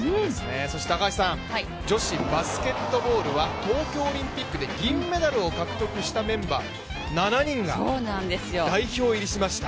そして女子バスケットボール東京オリンピックで銀メダルを獲得したメンバー、７人が代表入りしました。